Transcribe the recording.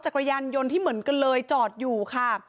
จักรยานยนต์ที่เหมือนกันเลยจอดอยู่ค่ะ